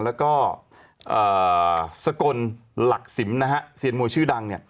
แล้วก็สกลหลักสิมเซียนมวยชื่อดัง